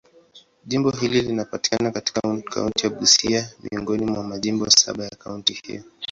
Jimbo hili linapatikana katika kaunti ya Busia, miongoni mwa majimbo saba ya kaunti hiyo.